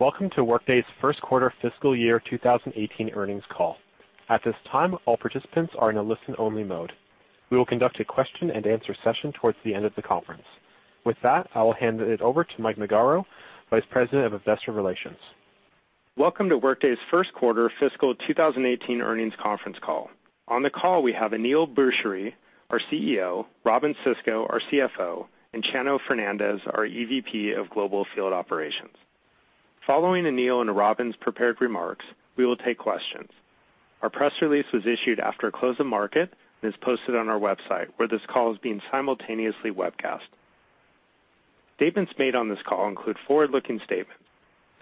Welcome to Workday's first quarter fiscal year 2018 earnings call. At this time, all participants are in a listen-only mode. We will conduct a question and answer session towards the end of the conference. With that, I will hand it over to Mike Magaro, Vice President of Investor Relations. Welcome to Workday's first quarter fiscal 2018 earnings conference call. On the call, we have Aneel Bhusri, our CEO, Robynne Sisco, our CFO, and Chano Fernandez, our EVP of Global Field Operations. Following Aneel and Robynne's prepared remarks, we will take questions. Our press release was issued after close of market and is posted on our website, where this call is being simultaneously webcast. Statements made on this call include forward-looking statements,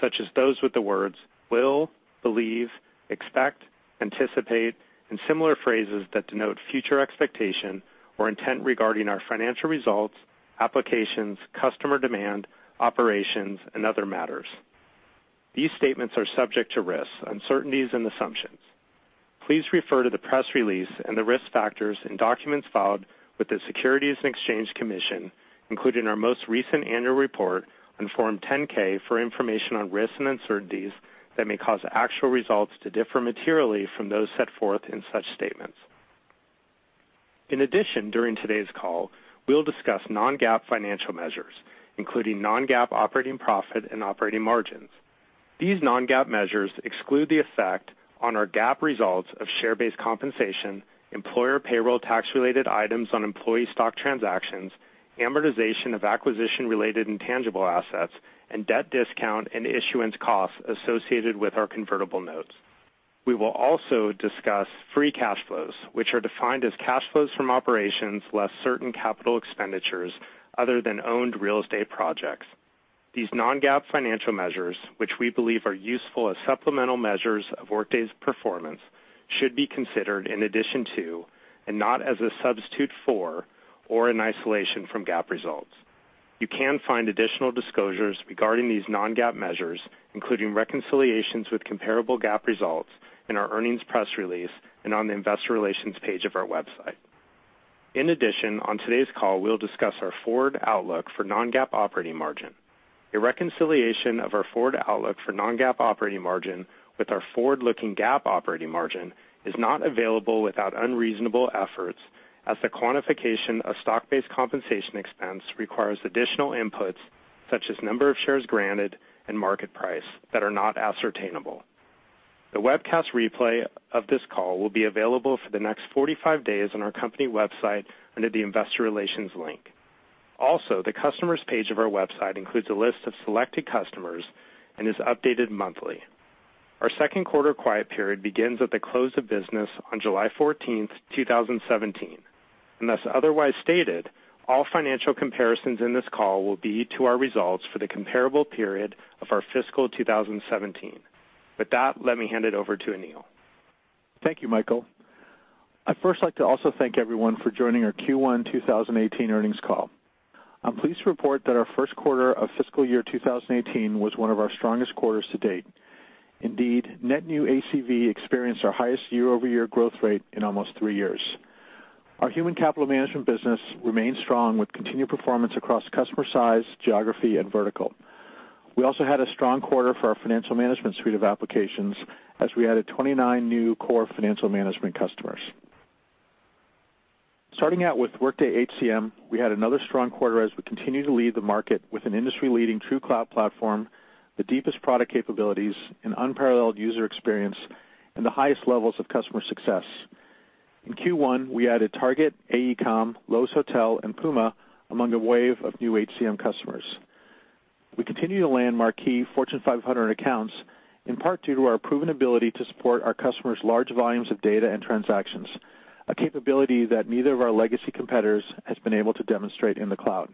such as those with the words will, believe, expect, anticipate, and similar phrases that denote future expectation or intent regarding our financial results, applications, customer demand, operations, and other matters. These statements are subject to risks, uncertainties, and assumptions. Please refer to the press release and the risk factors in documents filed with the Securities and Exchange Commission, including our most recent annual report on Form 10-K, for information on risks and uncertainties that may cause actual results to differ materially from those set forth in such statements. In addition, during today's call, we'll discuss non-GAAP financial measures, including non-GAAP operating profit and operating margins. These non-GAAP measures exclude the effect on our GAAP results of share-based compensation, employer payroll tax-related items on employee stock transactions, amortization of acquisition-related intangible assets, and debt discount and issuance costs associated with our convertible notes. We will also discuss free cash flows, which are defined as cash flows from operations less certain capital expenditures other than owned real estate projects. These non-GAAP financial measures, which we believe are useful as supplemental measures of Workday's performance, should be considered in addition to and not as a substitute for or in isolation from GAAP results. You can find additional disclosures regarding these non-GAAP measures, including reconciliations with comparable GAAP results, in our earnings press release and on the investor relations page of our website. In addition, on today's call, we'll discuss our forward outlook for non-GAAP operating margin. A reconciliation of our forward outlook for non-GAAP operating margin with our forward-looking GAAP operating margin is not available without unreasonable efforts, as the quantification of stock-based compensation expense requires additional inputs, such as number of shares granted and market price, that are not ascertainable. The webcast replay of this call will be available for the next 45 days on our company website under the investor relations link. The customers page of our website includes a list of selected customers and is updated monthly. Our second quarter quiet period begins at the close of business on July 14th, 2017. Unless otherwise stated, all financial comparisons in this call will be to our results for the comparable period of our fiscal 2017. With that, let me hand it over to Aneel. Thank you, Michael. I'd first like to also thank everyone for joining our Q1 2018 earnings call. I'm pleased to report that our first quarter of fiscal year 2018 was one of our strongest quarters to date. Indeed, net new ACV experienced our highest year-over-year growth rate in almost three years. Our human capital management business remains strong, with continued performance across customer size, geography, and vertical. We also had a strong quarter for our financial management suite of applications as we added 29 new core financial management customers. Starting out with Workday HCM, we had another strong quarter as we continue to lead the market with an industry-leading true cloud platform, the deepest product capabilities, an unparalleled user experience, and the highest levels of customer success. In Q1, we added Target, AECOM, Loews Hotels, and Puma, among a wave of new HCM customers. We continue to land marquee Fortune 500 accounts, in part due to our proven ability to support our customers' large volumes of data and transactions, a capability that neither of our legacy competitors has been able to demonstrate in the cloud.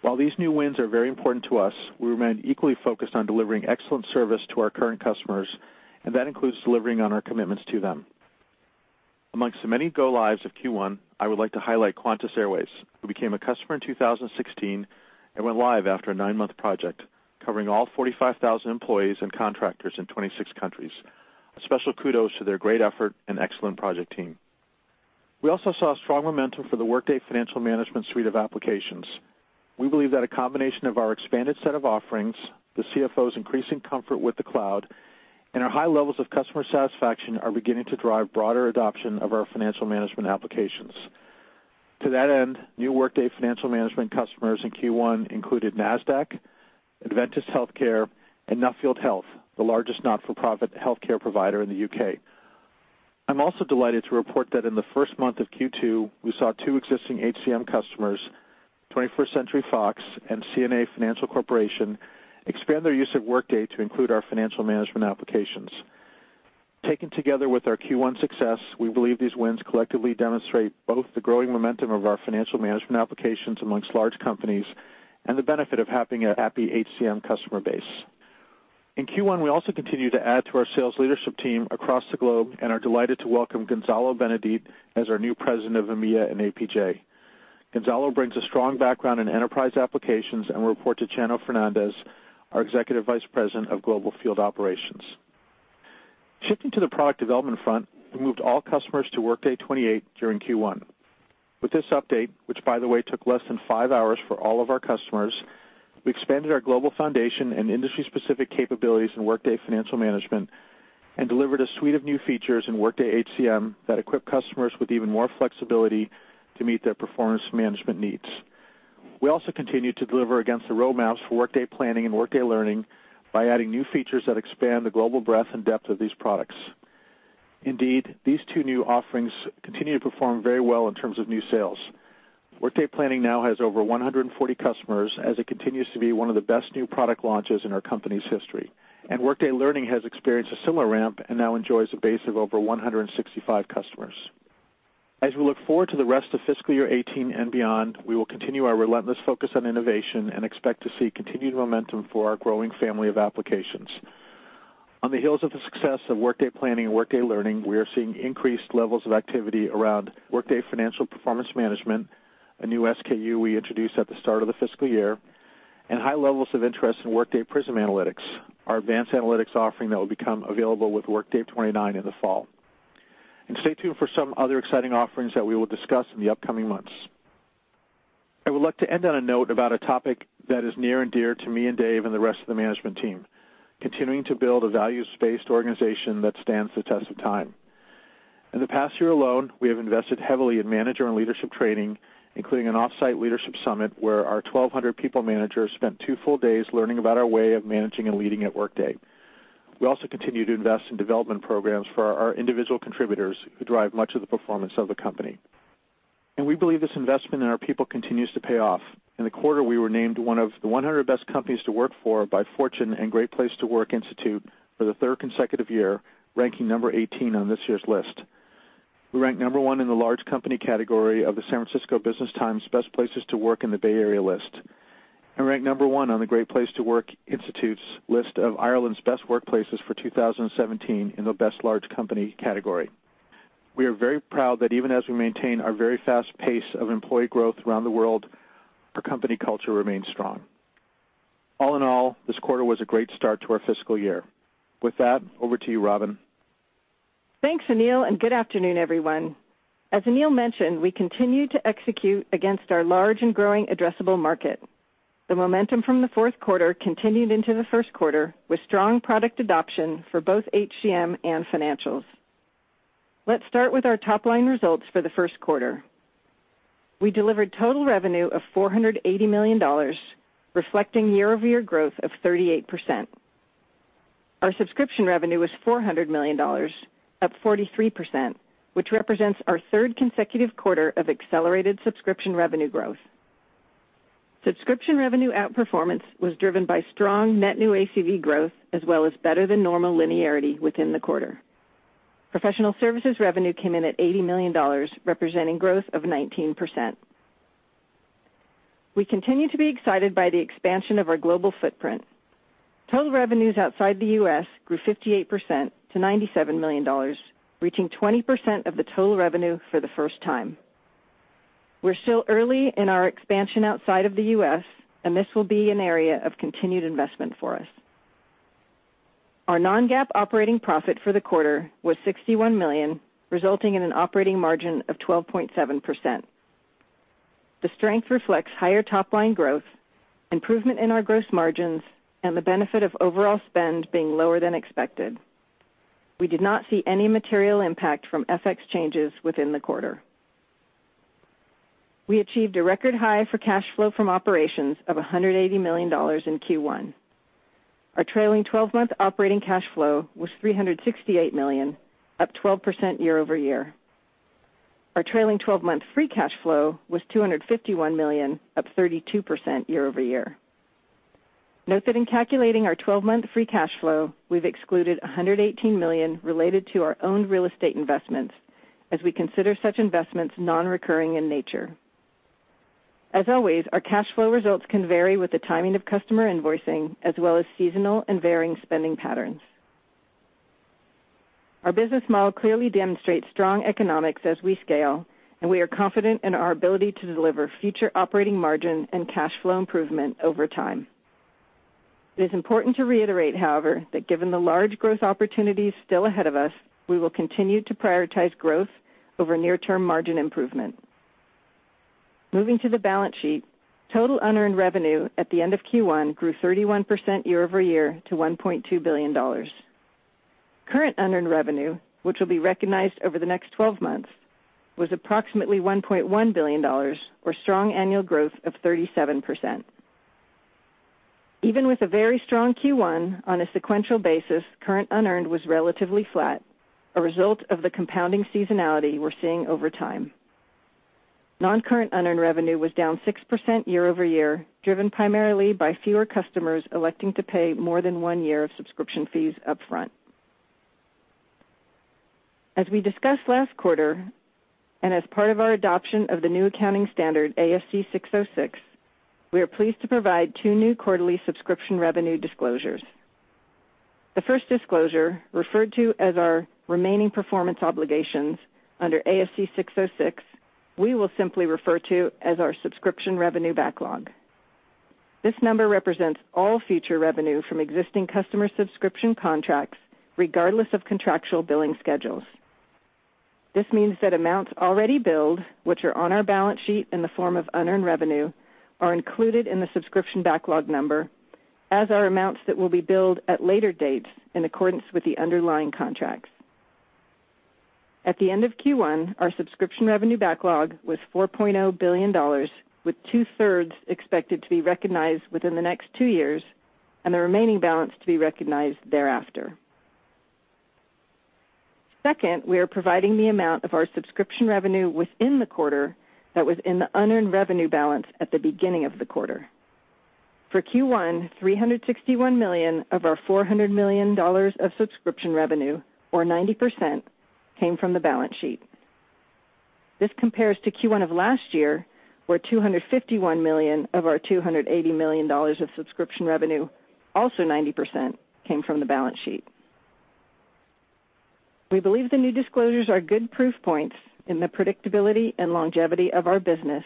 While these new wins are very important to us, we remain equally focused on delivering excellent service to our current customers, and that includes delivering on our commitments to them. Amongst the many go-lives of Q1, I would like to highlight Qantas Airways, who became a customer in 2016 and went live after a nine-month project, covering all 45,000 employees and contractors in 26 countries. A special kudos to their great effort and excellent project team. We also saw strong momentum for the Workday financial management suite of applications. We believe that a combination of our expanded set of offerings, the CFO's increasing comfort with the cloud, and our high levels of customer satisfaction are beginning to drive broader adoption of our financial management applications. To that end, new Workday financial management customers in Q1 included Nasdaq, Adventist HealthCare, and Nuffield Health, the largest not-for-profit healthcare provider in the U.K. I'm also delighted to report that in the first month of Q2, we saw two existing HCM customers, 21st Century Fox and CNA Financial Corporation, expand their use of Workday to include our financial management applications. Taken together with our Q1 success, we believe these wins collectively demonstrate both the growing momentum of our financial management applications amongst large companies and the benefit of having a happy HCM customer base. In Q1, we also continued to add to our sales leadership team across the globe and are delighted to welcome Gonzalo Benedit as our new President of EMEA and APJ. Gonzalo brings a strong background in enterprise applications and will report to Chano Fernandez, our Executive Vice President of Global Field Operations. Shifting to the product development front, we moved all customers to Workday 28 during Q1. With this update, which by the way, took less than 5 hours for all of our customers, we expanded our global foundation and industry-specific capabilities in Workday Financial Management and delivered a suite of new features in Workday HCM that equip customers with even more flexibility to meet their performance management needs. We also continue to deliver against the roadmaps for Workday Planning and Workday Learning by adding new features that expand the global breadth and depth of these products. Indeed, these two new offerings continue to perform very well in terms of new sales. Workday Planning now has over 140 customers as it continues to be one of the best new product launches in our company's history. Workday Learning has experienced a similar ramp and now enjoys a base of over 165 customers. As we look forward to the rest of fiscal year 2018 and beyond, we will continue our relentless focus on innovation and expect to see continued momentum for our growing family of applications. On the heels of the success of Workday Planning and Workday Learning, we are seeing increased levels of activity around Workday Financial Performance Management, a new SKU we introduced at the start of the fiscal year, and high levels of interest in Workday Prism Analytics, our advanced analytics offering that will become available with Workday 29 in the fall. Stay tuned for some other exciting offerings that we will discuss in the upcoming months. I would like to end on a note about a topic that is near and dear to me and Dave and the rest of the management team, continuing to build a values-based organization that stands the test of time. In the past year alone, we have invested heavily in manager and leadership training, including an off-site leadership summit where our 1,200 people managers spent two full days learning about our way of managing and leading at Workday. We also continue to invest in development programs for our individual contributors who drive much of the performance of the company. We believe this investment in our people continues to pay off. In the quarter, we were named one of the 100 best companies to work for by Fortune and Great Place to Work Institute for the third consecutive year, ranking number 18 on this year's list. We ranked number 1 in the large company category of the San Francisco Business Times Best Places to Work in the Bay Area list, and ranked number 1 on the Great Place to Work Institute's list of Ireland's Best Workplaces for 2017 in the best large company category. We are very proud that even as we maintain our very fast pace of employee growth around the world, our company culture remains strong. All in all, this quarter was a great start to our fiscal year. With that, over to you, Robynne. Thanks, Aneel, good afternoon, everyone. As Aneel mentioned, we continue to execute against our large and growing addressable market. The momentum from the fourth quarter continued into the first quarter, with strong product adoption for both HCM and financials. Let's start with our top-line results for the first quarter. We delivered total revenue of $480 million, reflecting year-over-year growth of 38%. Our subscription revenue was $400 million, up 43%, which represents our third consecutive quarter of accelerated subscription revenue growth. Subscription revenue outperformance was driven by strong net new ACV growth, as well as better than normal linearity within the quarter. Professional services revenue came in at $80 million, representing growth of 19%. We continue to be excited by the expansion of our global footprint. Total revenues outside the U.S. grew 58% to $97 million, reaching 20% of the total revenue for the first time. We're still early in our expansion outside of the U.S., this will be an area of continued investment for us. Our non-GAAP operating profit for the quarter was $61 million, resulting in an operating margin of 12.7%. The strength reflects higher top-line growth, improvement in our gross margins, and the benefit of overall spend being lower than expected. We did not see any material impact from FX changes within the quarter. We achieved a record high for cash flow from operations of $180 million in Q1. Our trailing 12-month operating cash flow was $368 million, up 12% year-over-year. Our trailing 12-month free cash flow was $251 million, up 32% year-over-year. Note that in calculating our 12-month free cash flow, we've excluded $118 million related to our own real estate investments, as we consider such investments non-recurring in nature. As always, our cash flow results can vary with the timing of customer invoicing, as well as seasonal and varying spending patterns. Our business model clearly demonstrates strong economics as we scale, we are confident in our ability to deliver future operating margin and cash flow improvement over time. It is important to reiterate, however, that given the large growth opportunities still ahead of us, we will continue to prioritize growth over near-term margin improvement. Moving to the balance sheet, total unearned revenue at the end of Q1 grew 31% year-over-year to $1.2 billion. Current unearned revenue, which will be recognized over the next 12 months, was approximately $1.1 billion, or strong annual growth of 37%. Even with a very strong Q1 on a sequential basis, current unearned was relatively flat, a result of the compounding seasonality we're seeing over time. Non-current unearned revenue was down 6% year-over-year, driven primarily by fewer customers electing to pay more than one year of subscription fees up front. As we discussed last quarter, as part of our adoption of the new accounting standard ASC 606, we are pleased to provide two new quarterly subscription revenue disclosures. The first disclosure, referred to as our remaining performance obligations under ASC 606, we will simply refer to as our subscription revenue backlog. This number represents all future revenue from existing customer subscription contracts, regardless of contractual billing schedules. This means that amounts already billed, which are on our balance sheet in the form of unearned revenue, are included in the subscription backlog number, as are amounts that will be billed at later dates in accordance with the underlying contracts. At the end of Q1, our subscription revenue backlog was $4.0 billion, with two-thirds expected to be recognized within the next two years and the remaining balance to be recognized thereafter. We are providing the amount of our subscription revenue within the quarter that was in the unearned revenue balance at the beginning of the quarter. For Q1, $361 million of our $400 million of subscription revenue, or 90%, came from the balance sheet. This compares to Q1 of last year, where $251 million of our $280 million of subscription revenue, also 90%, came from the balance sheet. We believe the new disclosures are good proof points in the predictability and longevity of our business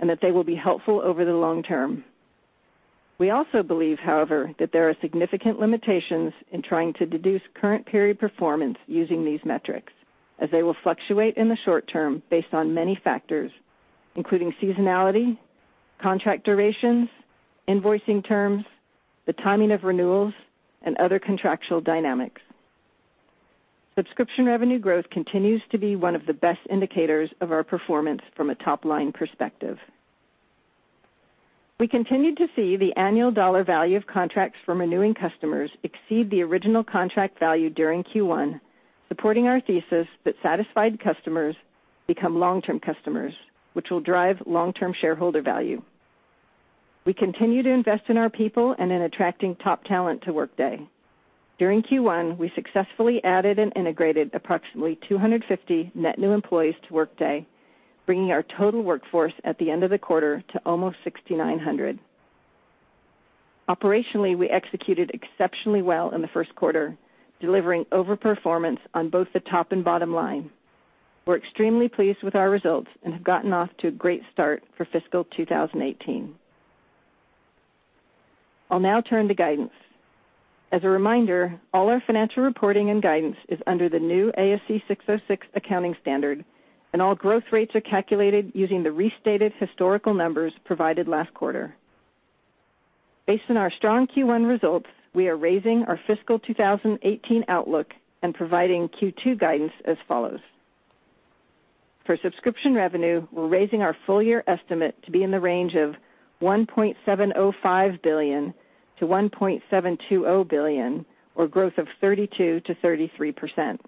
and that they will be helpful over the long term. We also believe, however, that there are significant limitations in trying to deduce current period performance using these metrics, as they will fluctuate in the short term based on many factors, including seasonality, contract durations, invoicing terms, the timing of renewals, and other contractual dynamics. Subscription revenue growth continues to be one of the best indicators of our performance from a top-line perspective. We continued to see the annual dollar value of contracts from renewing customers exceed the original contract value during Q1, supporting our thesis that satisfied customers become long-term customers, which will drive long-term shareholder value. We continue to invest in our people and in attracting top talent to Workday. During Q1, we successfully added and integrated approximately 250 net new employees to Workday, bringing our total workforce at the end of the quarter to almost 6,900. Operationally, we executed exceptionally well in the first quarter, delivering over-performance on both the top and bottom line. We're extremely pleased with our results and have gotten off to a great start for fiscal 2018. I'll now turn to guidance. As a reminder, all our financial reporting and guidance is under the new ASC 606 accounting standard, and all growth rates are calculated using the restated historical numbers provided last quarter. Based on our strong Q1 results, we are raising our fiscal 2018 outlook and providing Q2 guidance as follows. For subscription revenue, we're raising our full-year estimate to be in the range of $1.705 billion-$1.720 billion, or growth of 32%-33%.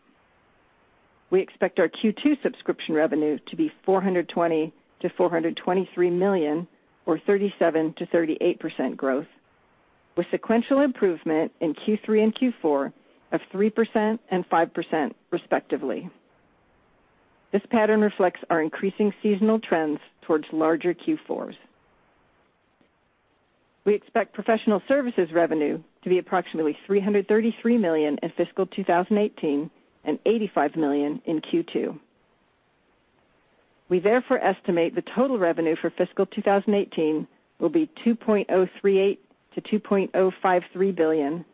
We expect our Q2 subscription revenue to be $420 million-$423 million, or 37%-38% growth, with sequential improvement in Q3 and Q4 of 3% and 5% respectively. This pattern reflects our increasing seasonal trends towards larger Q4s. We expect professional services revenue to be approximately $333 million in fiscal 2018 and $85 million in Q2. We estimate the total revenue for fiscal 2018 will be $2.038 billion-$2.053 billion,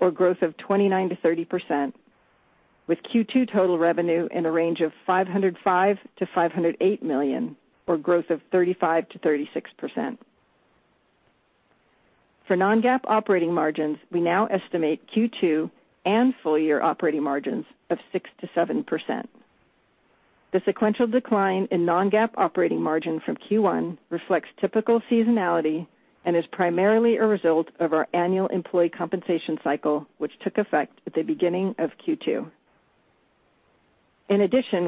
or growth of 29%-30%, with Q2 total revenue in a range of $505 million-$508 million, or growth of 35%-36%. For non-GAAP operating margins, we now estimate Q2 and full-year operating margins of 6%-7%. The sequential decline in non-GAAP operating margin from Q1 reflects typical seasonality and is primarily a result of our annual employee compensation cycle, which took effect at the beginning of Q2.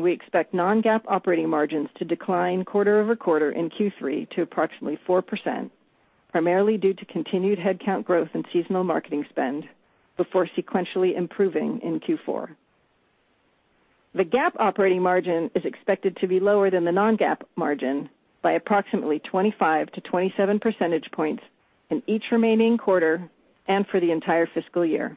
We expect non-GAAP operating margins to decline quarter-over-quarter in Q3 to approximately 4%, primarily due to continued headcount growth and seasonal marketing spend before sequentially improving in Q4. The GAAP operating margin is expected to be lower than the non-GAAP margin by approximately 25 to 27 percentage points in each remaining quarter and for the entire fiscal year.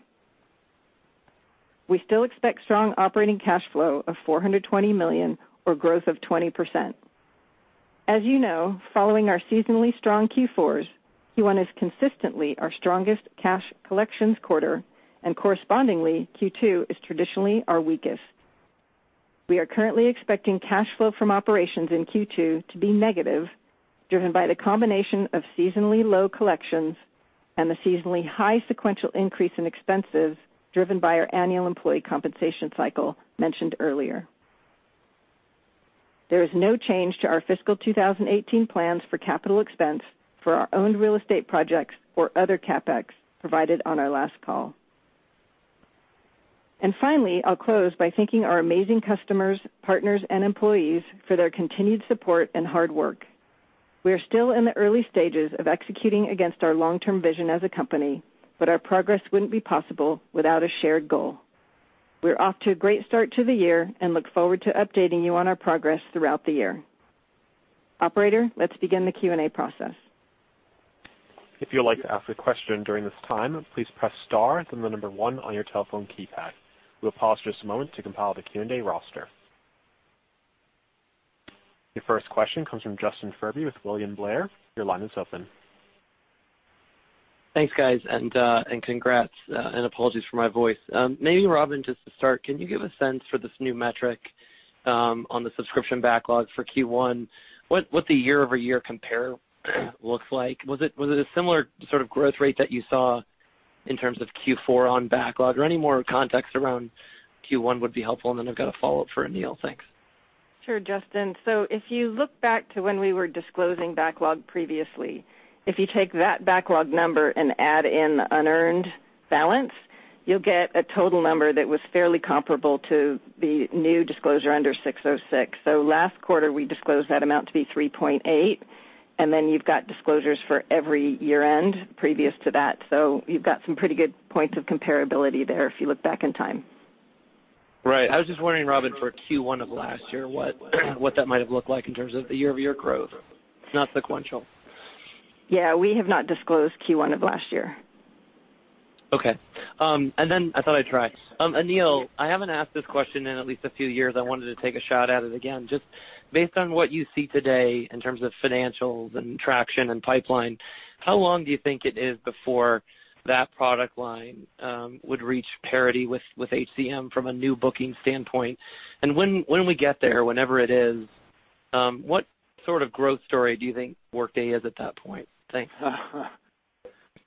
We still expect strong operating cash flow of $420 million, or growth of 20%. As you know, following our seasonally strong Q4s, Q1 is consistently our strongest cash collections quarter, and correspondingly, Q2 is traditionally our weakest. We are currently expecting cash flow from operations in Q2 to be negative, driven by the combination of seasonally low collections and the seasonally high sequential increase in expenses driven by our annual employee compensation cycle mentioned earlier. There is no change to our fiscal 2018 plans for capital expense for our owned real estate projects or other CapEx provided on our last call. Finally, I'll close by thanking our amazing customers, partners, and employees for their continued support and hard work. We are still in the early stages of executing against our long-term vision as a company. Our progress wouldn't be possible without a shared goal. We're off to a great start to the year and look forward to updating you on our progress throughout the year. Operator, let's begin the Q&A process. If you would like to ask a question during this time, please press star then the number one on your telephone keypad. We'll pause just a moment to compile the Q&A roster. Your first question comes from Justin Furby with William Blair. Your line is open. Thanks, guys. Congrats. Apologies for my voice. Maybe Robynne, just to start, can you give a sense for this new metric on the subscription backlog for Q1, what the year-over-year compare looks like? Was it a similar sort of growth rate that you saw in terms of Q4 on backlog or any more context around Q1 would be helpful. Then I've got a follow-up for Aneel. Thanks. Sure, Justin. If you look back to when we were disclosing backlog previously, if you take that backlog number and add in the unearned balance, you'll get a total number that was fairly comparable to the new disclosure under 606. Last quarter, we disclosed that amount to be $3.8, then you've got disclosures for every year-end previous to that. You've got some pretty good points of comparability there if you look back in time. Right. I was just wondering, Robynne, for Q1 of last year, what that might have looked like in terms of the year-over-year growth, not sequential. Yeah, we have not disclosed Q1 of last year. Okay. I thought I'd try. Aneel, I haven't asked this question in at least a few years. I wanted to take a shot at it again. Just based on what you see today in terms of financials and traction and pipeline, how long do you think it is before that product line would reach parity with HCM from a new booking standpoint? When we get there, whenever it is, what sort of growth story do you think Workday is at that point? Thanks.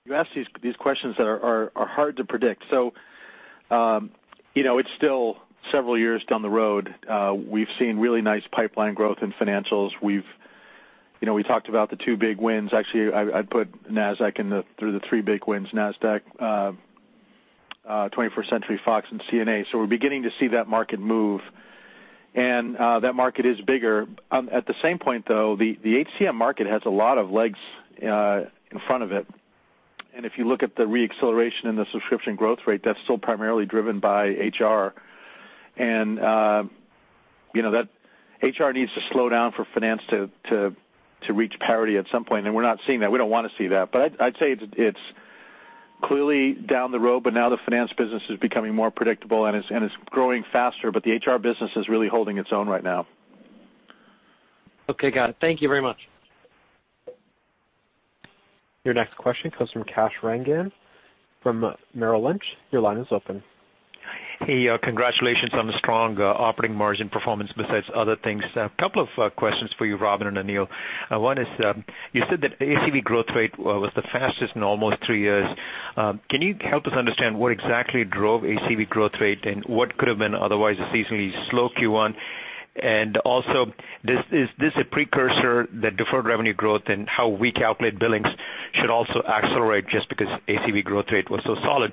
You ask these questions that are hard to predict. It's still several years down the road. We've seen really nice pipeline growth in financials. We talked about the two big wins. Actually, I'd put Nasdaq in the three big wins, Nasdaq, 21st Century Fox, and CNA. We're beginning to see that market move, and that market is bigger. At the same point, though, the HCM market has a lot of legs in front of it, and if you look at the re-acceleration in the subscription growth rate, that's still primarily driven by HR. HR needs to slow down for finance to reach parity at some point, and we're not seeing that. We don't want to see that. I'd say it's clearly down the road, but now the finance business is becoming more predictable, and it's growing faster, but the HR business is really holding its own right now. Okay, got it. Thank you very much. Your next question comes from Kash Rangan from Merrill Lynch. Your line is open. Hey, congratulations on the strong operating margin performance, besides other things. A couple of questions for you, Robynne and Aneel. One is, you said that the ACV growth rate was the fastest in almost 3 years. Can you help us understand what exactly drove ACV growth rate, and what could have been otherwise a seasonally slow Q1? Also, is this a precursor that deferred revenue growth and how we calculate billings should also accelerate just because ACV growth rate was so solid?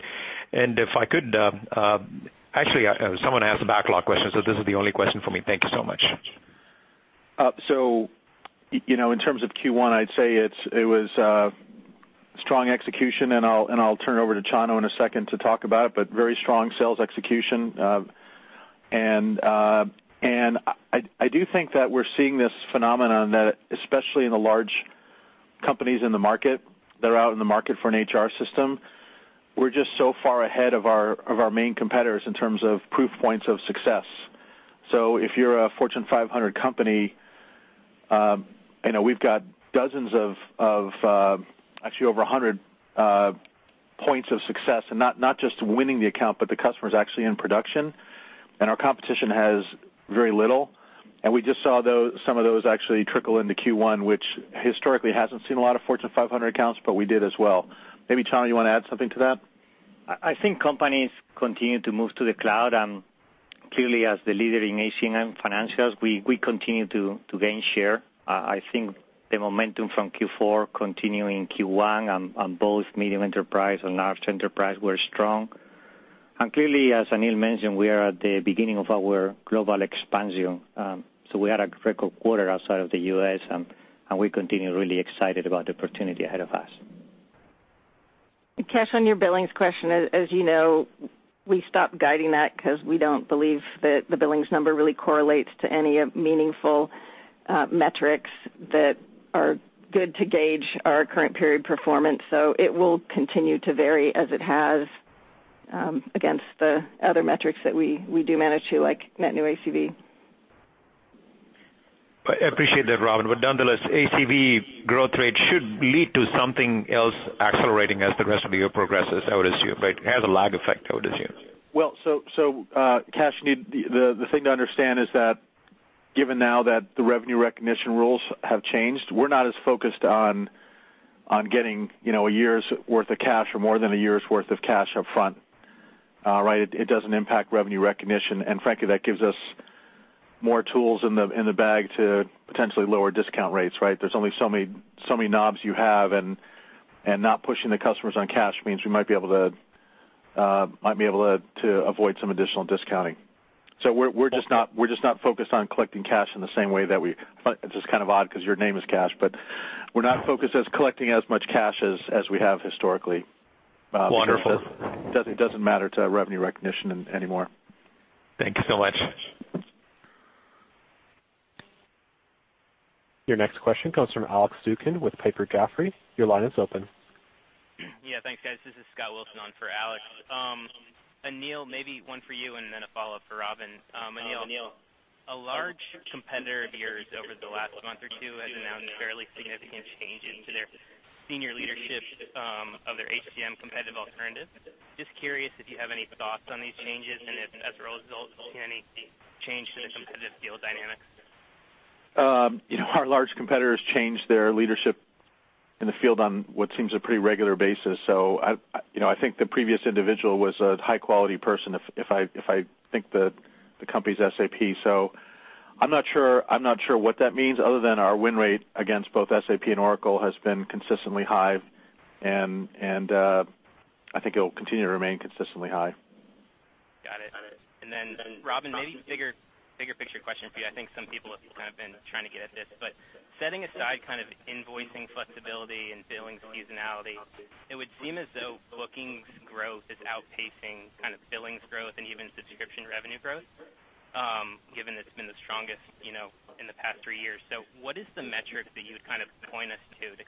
If I could, actually, someone asked the backlog question, so this is the only question for me. Thank you so much. In terms of Q1, I'd say it was strong execution, and I'll turn it over to Chano in a second to talk about it, but very strong sales execution. I do think that we're seeing this phenomenon, especially in the large companies in the market that are out in the market for an HR system. We're just so far ahead of our main competitors in terms of proof points of success. If you're a Fortune 500 company, we've got dozens of, actually, over 100 points of success, and not just winning the account, but the customer's actually in production, and our competition has very little. We just saw some of those actually trickle into Q1, which historically hasn't seen a lot of Fortune 500 accounts, but we did as well. Maybe, Chano, you want to add something to that? I think companies continue to move to the cloud, and clearly as the leader in HCM Financials, we continue to gain share. I think the momentum from Q4 continuing Q1 on both medium enterprise and large enterprise were strong. Clearly, as Aneel mentioned, we are at the beginning of our global expansion. We had a record quarter outside of the U.S., and we continue really excited about the opportunity ahead of us. Kash, on your billings question, as you know, we stopped guiding that because we don't believe that the billings number really correlates to any meaningful metrics that are good to gauge our current period performance. It will continue to vary as it has against the other metrics that we do manage to like net new ACV. I appreciate that, Robynne. Nonetheless, ACV growth rate should lead to something else accelerating as the rest of the year progresses, I would assume, right? It has a lag effect, I would assume. Kash, the thing to understand is that given now that the revenue recognition rules have changed, we're not as focused on getting a year's worth of cash or more than a year's worth of cash up front. Right? It doesn't impact revenue recognition, and frankly, that gives us more tools in the bag to potentially lower discount rates, right? There's only so many knobs you have, and not pushing the customers on cash means we might be able to avoid some additional discounting. We're just not focused on collecting cash in the same way that it's just kind of odd because your name is Kash, but we're not focused as collecting as much cash as we have historically. Wonderful. It doesn't matter to revenue recognition anymore. Thank you so much. Your next question comes from Alex Zukin with Piper Jaffray. Your line is open. Yeah, thanks, guys. This is Scott Wilson on for Alex. Aneel, maybe one for you and then a follow-up for Robynne, Aneel, a large competitor of yours over the last month or two has announced fairly significant changes to their senior leadership of their HCM competitive alternative. Just curious if you have any thoughts on these changes, and if as a result, you've seen any change in the competitive field dynamics. Our large competitors change their leadership in the field on what seems a pretty regular basis. I think the previous individual was a high-quality person, if I think the company's SAP. I'm not sure what that means other than our win rate against both SAP and Oracle has been consistently high, and I think it'll continue to remain consistently high. Got it. Then Robynne, maybe a bigger picture question for you. I think some people have kind of been trying to get at this. Setting aside invoicing flexibility and billings seasonality, it would seem as though bookings growth is outpacing billings growth and even subscription revenue growth, given it's been the strongest in the past three years. What is the metric that you would point us to to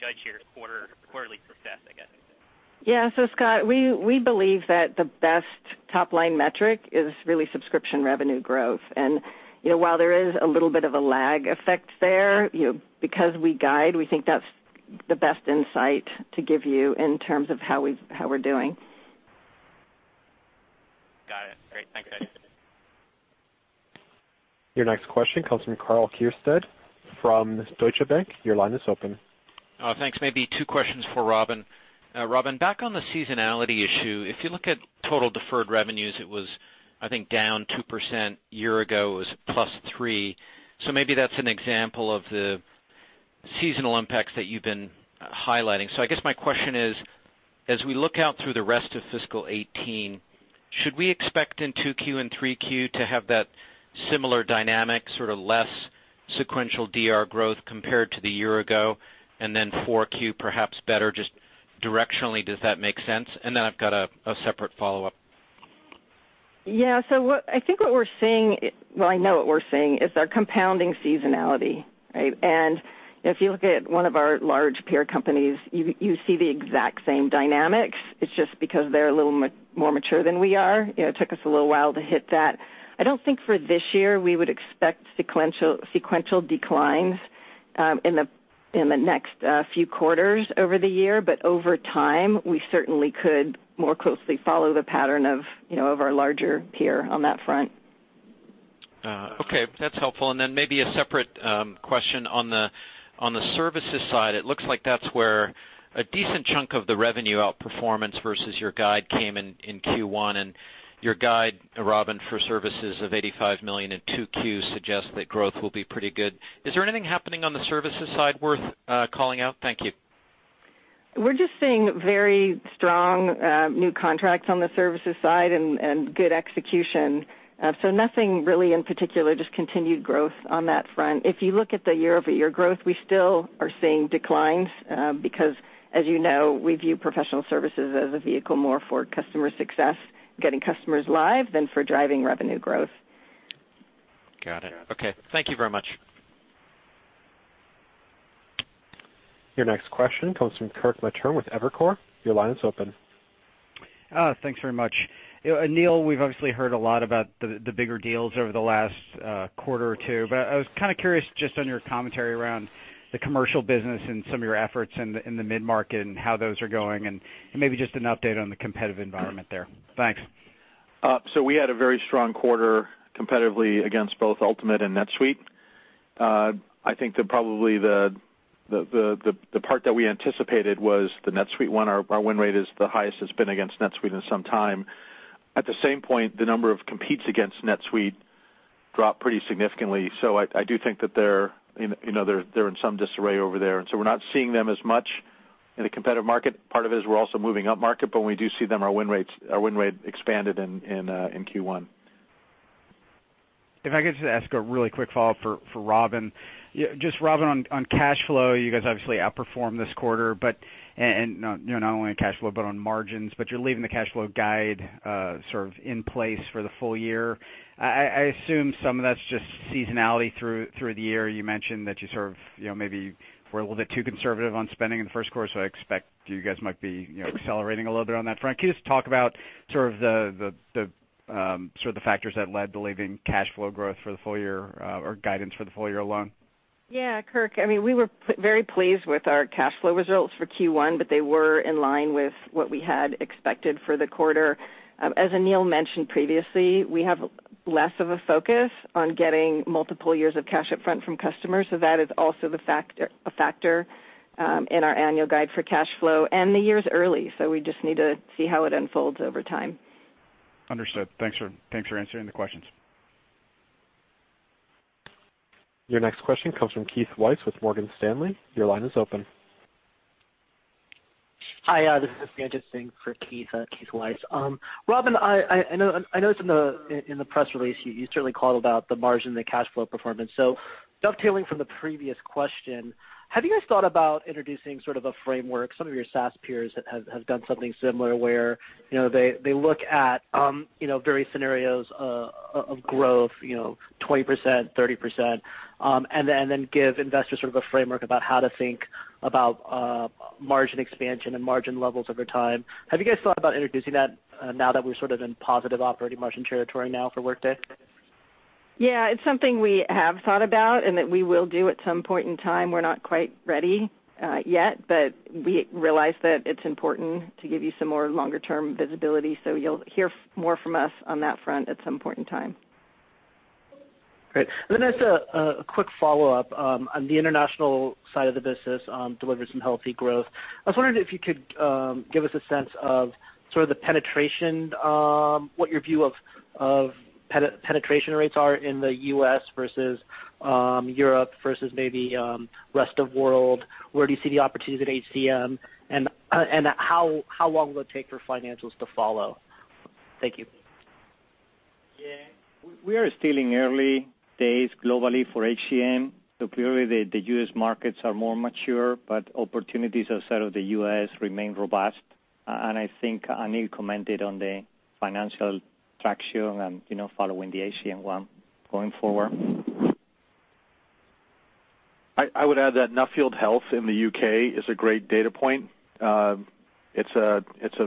judge your quarterly success, I guess? Scott, we believe that the best top-line metric is really subscription revenue growth. While there is a little bit of a lag effect there, because we guide, we think that's the best insight to give you in terms of how we're doing. Got it. Great. Thanks, guys. Your next question comes from Karl Keirstead from Deutsche Bank. Your line is open. Thanks. Maybe two questions for Robynne. Robynne, back on the seasonality issue, if you look at total deferred revenues, it was, I think, down 2%. Year ago, it was +3%. Maybe that's an example of the seasonal impacts that you've been highlighting. I guess my question is, as we look out through the rest of fiscal 2018, should we expect in 2Q and 3Q to have that similar dynamic, sort of less sequential DR growth compared to the year ago, then 4Q perhaps better? Just directionally, does that make sense? Then I've got a separate follow-up. I think what we're seeing, well, I know what we're seeing, is our compounding seasonality, right? If you look at one of our large peer companies, you see the exact same dynamics. It's just because they're a little more mature than we are. It took us a little while to hit that. I don't think for this year we would expect sequential declines in the next few quarters over the year. Over time, we certainly could more closely follow the pattern of our larger peer on that front. Okay. That's helpful. Then maybe a separate question on the services side. It looks like that's where a decent chunk of the revenue outperformance versus your guide came in Q1. Your guide, Robynne, for services of $85 million in 2Q suggests that growth will be pretty good. Is there anything happening on the services side worth calling out? Thank you. We're just seeing very strong new contracts on the services side and good execution. Nothing really in particular, just continued growth on that front. If you look at the year-over-year growth, we still are seeing declines because, as you know, we view professional services as a vehicle more for customer success, getting customers live, than for driving revenue growth. Got it. Okay. Thank you very much. Your next question comes from Kirk Materne with Evercore. Your line is open. Thanks very much. Aneel, I've obviously heard a lot about the bigger deals over the last quarter or two, I was kind of curious just on your commentary around the commercial business. Some of your efforts in the mid-market and how those are going. Maybe just an update on the competitive environment there. Thanks. We had a very strong quarter competitively against both Ultimate and NetSuite. I think that probably the part that we anticipated was the NetSuite one. Our win rate is the highest it's been against NetSuite in some time. At the same point, the number of competes against NetSuite dropped pretty significantly. I do think that they're in some disarray over there. We're not seeing them as much in a competitive market. Part of it is we're also moving upmarket, when we do see them, our win rate expanded in Q1. If I could just ask a really quick follow-up for Robyn. Just Robyn, on cash flow, you guys obviously outperformed this quarter. Not only on cash flow, but on margins. You're leaving the cash flow guide sort of in place for the full year. I assume some of that's just seasonality through the year. You mentioned that you sort of maybe were a little bit too conservative on spending in the first quarter, I expect you guys might be accelerating a little bit on that front. Can you just talk about the factors that led to leaving cash flow growth for the full year or guidance for the full year alone? Yeah, Kirk. We were very pleased with our cash flow results for Q1. They were in line with what we had expected for the quarter. As Aneel mentioned previously, we have less of a focus on getting multiple years of cash up front from customers. That is also a factor in our annual guide for cash flow. The year is early, so we just need to see how it unfolds over time. Understood. Thanks for answering the questions. Your next question comes from Keith Weiss with Morgan Stanley. Your line is open. Hi, this is Sanjit Singh for Keith Weiss. Robynne, I noticed in the press release you certainly called about the margin, the cash flow performance. Dovetailing from the previous question, have you guys thought about introducing sort of a framework? Some of your SaaS peers have done something similar where they look at various scenarios of growth, 20%, 30%, and then give investors sort of a framework about how to think about margin expansion and margin levels over time. Have you guys thought about introducing that now that we're sort of in positive operating margin territory now for Workday? It's something we have thought about and that we will do at some point in time. We're not quite ready yet, but we realize that it's important to give you some more longer-term visibility. You'll hear more from us on that front at some point in time. Great. As a quick follow-up, on the international side of the business, delivered some healthy growth. I was wondering if you could give us a sense of sort of the penetration, what your view of penetration rates are in the U.S. versus Europe versus maybe rest of world. Where do you see the opportunities at HCM, and how long will it take for financials to follow? Thank you. Yeah. We are still in early days globally for HCM. Clearly, the U.S. markets are more mature, but opportunities outside of the U.S. remain robust. I think Aneel commented on the financial traction and following the HCM 1 going forward. I would add that Nuffield Health in the U.K. is a great data point. It's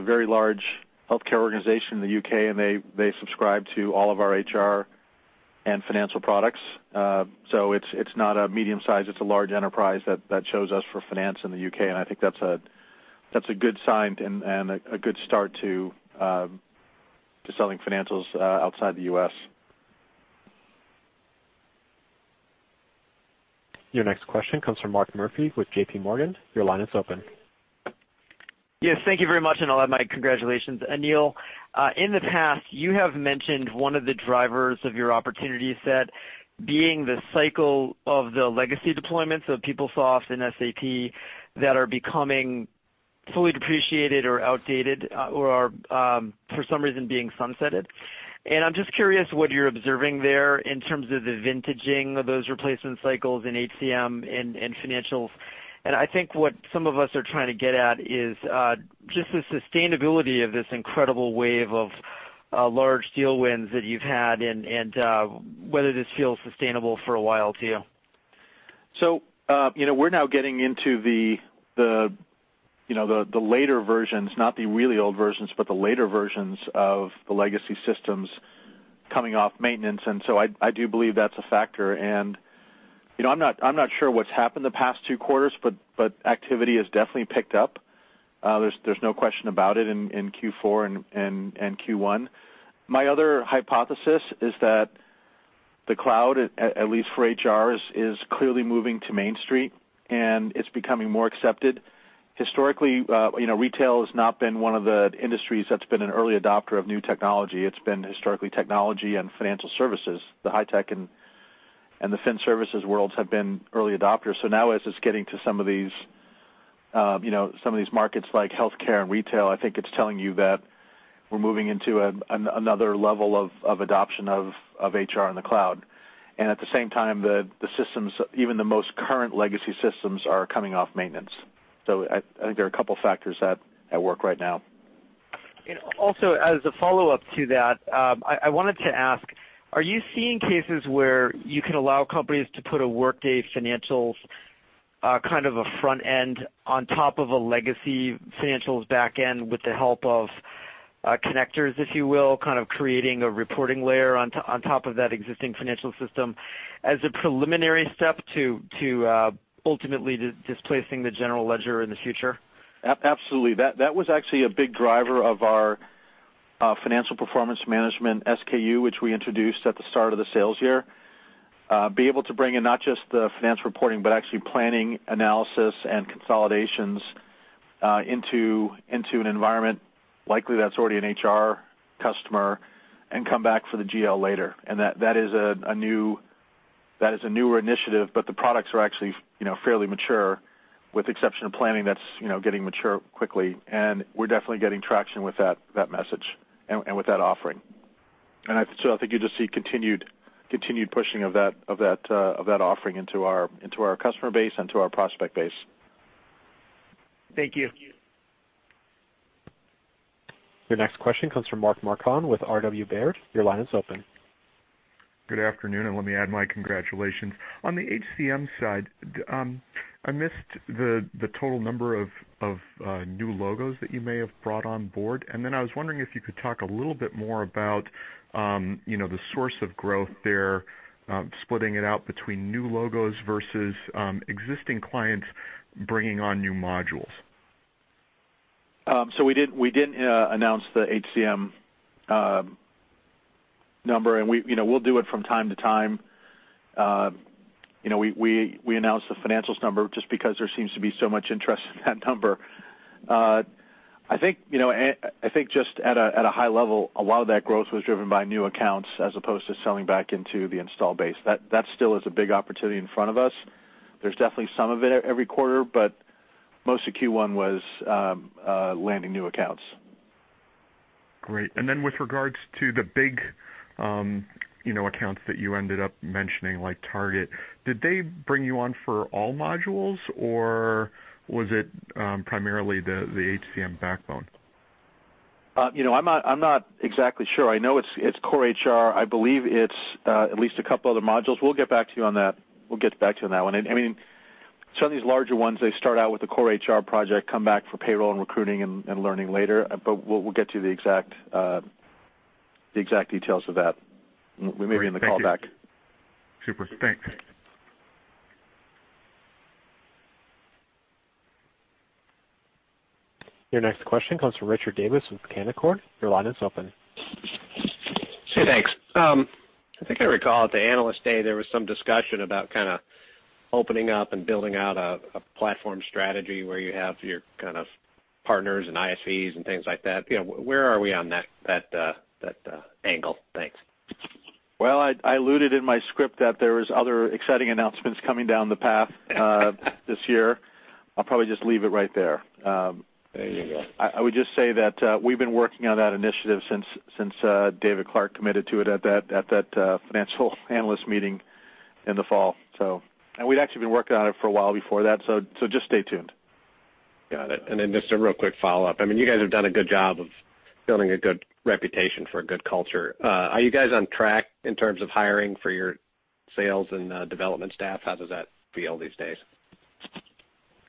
a very large healthcare organization in the U.K., and they subscribe to all of our HR and financial products. It's not a medium size, it's a large enterprise that chose us for finance in the U.K., and I think that's a good sign and a good start to selling financials outside the U.S. Your next question comes from Mark Murphy with JPMorgan. Your line is open. Yes, thank you very much. I'll add my congratulations. Aneel, in the past, you have mentioned one of the drivers of your opportunity set being the cycle of the legacy deployments of PeopleSoft and SAP that are becoming fully depreciated or outdated or are for some reason being sunsetted. I'm just curious what you're observing there in terms of the vintaging of those replacement cycles in HCM, in financials. I think what some of us are trying to get at is just the sustainability of this incredible wave of large deal wins that you've had, and whether this feels sustainable for a while to you. We're now getting into the later versions, not the really old versions, but the later versions of the legacy systems coming off maintenance. I do believe that's a factor. I'm not sure what's happened the past two quarters, but activity has definitely picked up. There's no question about it in Q4 and Q1. My other hypothesis is that the cloud, at least for HR, is clearly moving to Main Street, and it's becoming more accepted. Historically, retail has not been one of the industries that's been an early adopter of new technology. It's been historically technology and financial services. The high tech and the fin services worlds have been early adopters. Now as it's getting to some of these markets like healthcare and retail, I think it's telling you that we're moving into another level of adoption of HR in the cloud. At the same time, the systems, even the most current legacy systems, are coming off maintenance. I think there are a couple of factors at work right now. Also, as a follow-up to that, I wanted to ask, are you seeing cases where you can allow companies to put a Workday Financials kind of a front end on top of a legacy financials back end with the help of connectors, if you will, kind of creating a reporting layer on top of that existing financial system as a preliminary step to ultimately displacing the general ledger in the future? Absolutely. That was actually a big driver of our financial performance management SKU, which we introduced at the start of the sales year. Be able to bring in not just the finance reporting, but actually planning analysis and consolidations into an environment likely that's already an HR customer, and come back for the GL later. That is a newer initiative, but the products are actually fairly mature, with the exception of planning that's getting mature quickly. We're definitely getting traction with that message and with that offering. So I think you'll just see continued pushing of that offering into our customer base, into our prospect base. Thank you. Your next question comes from Mark Marcon with RW Baird. Your line is open. Good afternoon, and let me add my congratulations. On the HCM side, I missed the total number of new logos that you may have brought on board. I was wondering if you could talk a little bit more about the source of growth there, splitting it out between new logos versus existing clients bringing on new modules. We didn't announce the HCM number, and we'll do it from time to time. We announced the financials number just because there seems to be so much interest in that number. I think just at a high level, a lot of that growth was driven by new accounts as opposed to selling back into the install base. That still is a big opportunity in front of us. There's definitely some of it every quarter, but most of Q1 was landing new accounts. Great. With regards to the big accounts that you ended up mentioning, like Target, did they bring you on for all modules, or was it primarily the HCM backbone? I'm not exactly sure. I know it's core HR. I believe it's at least a couple other modules. We'll get back to you on that one. I mean. Some of these larger ones, they start out with the core HR project, come back for payroll and recruiting and learning later. We'll get to the exact details of that. We may be in the call back. Super. Thanks. Your next question comes from Richard Davis with Canaccord. Your line is open. Thanks. I think I recall at the Analyst Day, there was some discussion about opening up and building out a platform strategy where you have your partners and ISVs and things like that. Where are we on that angle? Thanks. Well, I alluded in my script that there was other exciting announcements coming down the path this year. I'll probably just leave it right there. There you go. I would just say that we've been working on that initiative since David Clarke committed to it at that financial analyst meeting in the fall. We'd actually been working on it for a while before that, just stay tuned. Got it. Just a real quick follow-up. You guys have done a good job of building a good reputation for a good culture. Are you guys on track in terms of hiring for your sales and development staff? How does that feel these days?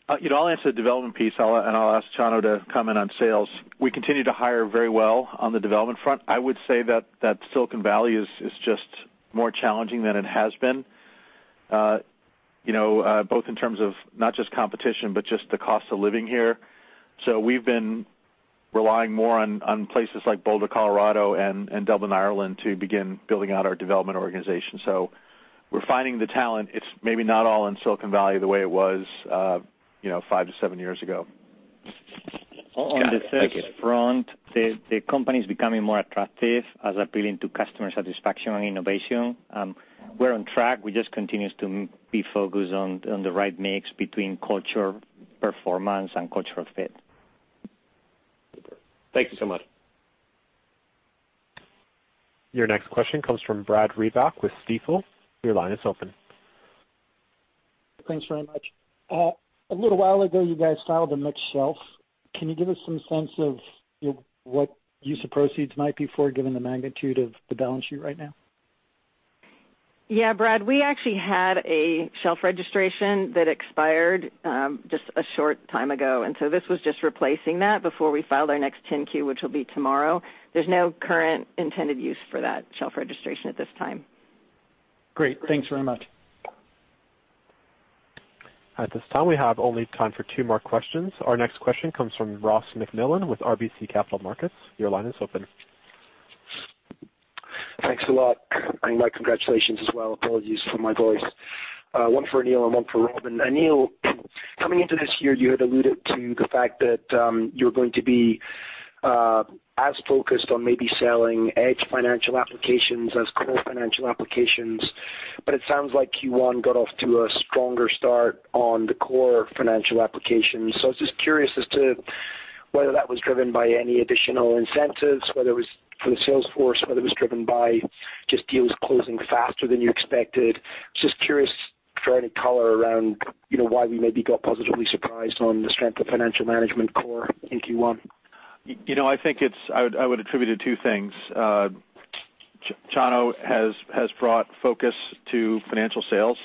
I'll answer the development piece, I'll ask Chano to comment on sales. We continue to hire very well on the development front. I would say that Silicon Valley is just more challenging than it has been, both in terms of not just competition, but just the cost of living here. We've been relying more on places like Boulder, Colorado, and Dublin, Ireland, to begin building out our development organization. We're finding the talent. It's maybe not all in Silicon Valley the way it was five to seven years ago. Got it. Thank you. On the sales front, the company's becoming more attractive as appealing to customer satisfaction and innovation. We're on track. We just continue to be focused on the right mix between culture performance and cultural fit. Super. Thank you so much. Your next question comes from Brad Reback with Stifel. Your line is open. Thanks very much. A little while ago, you guys filed a mixed shelf. Can you give us some sense of what use of proceeds might be for, given the magnitude of the balance sheet right now? Yeah, Brad, we actually had a shelf registration that expired just a short time ago, and so this was just replacing that before we filed our next 10-Q, which will be tomorrow. There's no current intended use for that shelf registration at this time. Great. Thanks very much. At this time, we have only time for two more questions. Our next question comes from Ross MacMillan with RBC Capital Markets. Your line is open. Thanks a lot. My congratulations as well. Apologies for my voice. One for Aneel and one for Robynne. Aneel, coming into this year, you had alluded to the fact that you're going to be as focused on maybe selling edge financial applications as core financial applications, but it sounds like Q1 got off to a stronger start on the core financial applications. I was just curious as to whether that was driven by any additional incentives, whether it was for the sales force, whether it was driven by just deals closing faster than you expected. Just curious for any color around why we maybe got positively surprised on the strength of Financial Management core in Q1. I would attribute it to two things. Chano has brought focus to financial sales.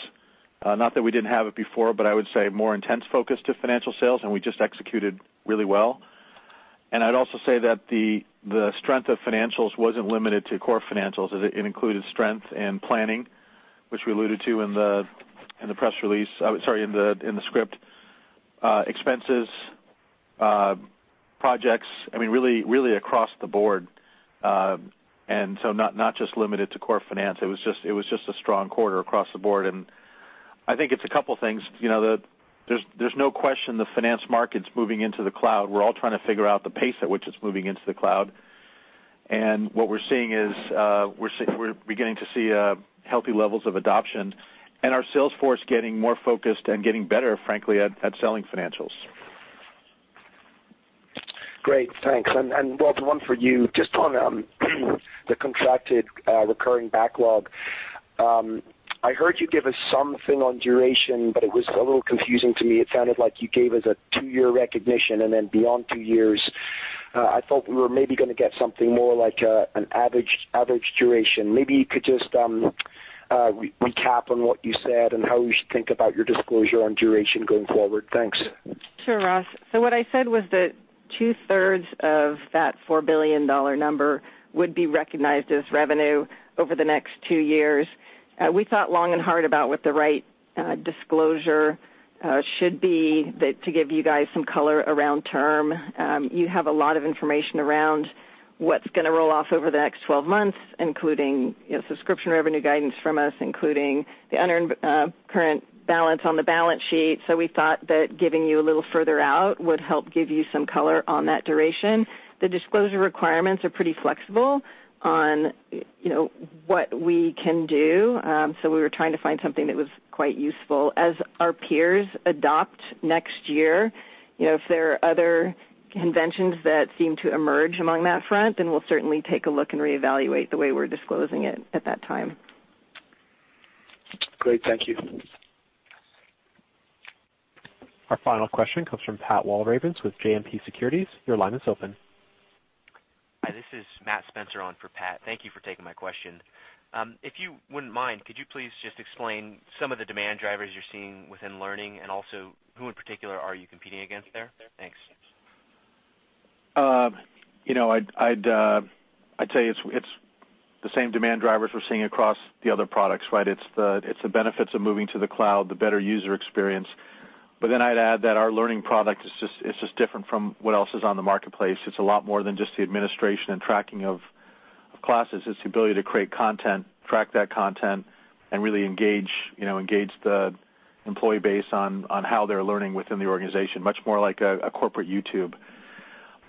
Not that we didn't have it before, but I would say more intense focus to financial sales, and we just executed really well. I'd also say that the strength of financials wasn't limited to core financials. It included strength and planning, which we alluded to in the script. Expenses, projects, really across the board. Not just limited to core finance. It was just a strong quarter across the board, and I think it's a couple things. There's no question the finance market's moving into the cloud. We're all trying to figure out the pace at which it's moving into the cloud. What we're seeing is we're beginning to see healthy levels of adoption, and our sales force getting more focused and getting better, frankly, at selling financials. Great. Thanks. Well, one for you. Just on the contracted recurring backlog. I heard you give us something on duration, but it was a little confusing to me. It sounded like you gave us a two-year recognition, and then beyond two years. I thought we were maybe going to get something more like an average duration. Maybe you could just recap on what you said and how we should think about your disclosure on duration going forward. Thanks. Sure, Ross. What I said was that two-thirds of that $4 billion number would be recognized as revenue over the next two years. We thought long and hard about what the right disclosure should be to give you guys some color around term. You have a lot of information around what's going to roll off over the next 12 months, including subscription revenue guidance from us, including the unearned current balance on the balance sheet. We thought that giving you a little further out would help give you some color on that duration. The disclosure requirements are pretty flexible on what we can do. We were trying to find something that was quite useful. As our peers adopt next year, if there are other conventions that seem to emerge along that front, then we'll certainly take a look and reevaluate the way we're disclosing it at that time. Great. Thank you. Our final question comes from Pat Walravens with JMP Securities. Your line is open. Hi, this is Mathew Spencer on for Pat. Thank you for taking my question. If you wouldn't mind, could you please just explain some of the demand drivers you're seeing within learning, and also who in particular are you competing against there? Thanks. I'd tell you it's the same demand drivers we're seeing across the other products, right? It's the benefits of moving to the cloud, the better user experience. I'd add that our learning product is just different from what else is on the marketplace. It's a lot more than just the administration and tracking of classes. It's the ability to create content, track that content, and really engage the employee base on how they're learning within the organization, much more like a corporate YouTube.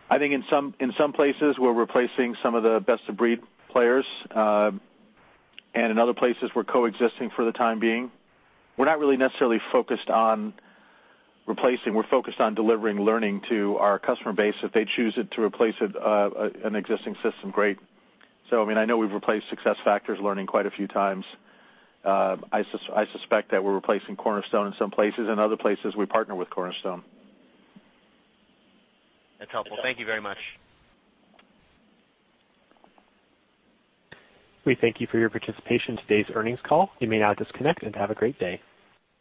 I think in some places, we're replacing some of the best-of-breed players, and in other places, we're coexisting for the time being. We're not really necessarily focused on replacing. We're focused on delivering learning to our customer base. If they choose it to replace an existing system, great. I know we've replaced SuccessFactors learning quite a few times. I suspect that we're replacing Cornerstone in some places. In other places, we partner with Cornerstone. That's helpful. Thank you very much. We thank you for your participation in today's earnings call. You may now disconnect, have a great day.